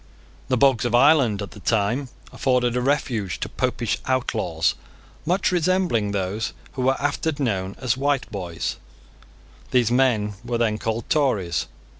The bogs of Ireland, at the same time, afforded a refuge to Popish outlaws, much resembling those who were afterwards known as Whiteboys. These men were then called Tories.